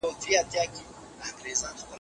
که ته ځان وپیژنې نو بریالی یې.